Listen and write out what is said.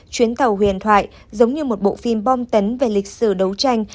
chuyến tàu huyền thoại giống như một bộ phim bom tấn về lịch sử đấu tranh